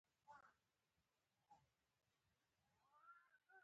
میټرونه د اوږدوالي د اندازه کولو د وسایلو برخه ده.